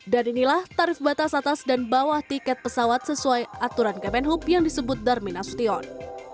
dan inilah tarif batas atas dan bawah tiket pesawat sesuai aturan kpn hub yang disebut darmin asution